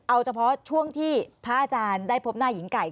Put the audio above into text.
เอาเฉพาะช่วงที่พระอาจารย์ได้พบหน้าหญิงไก่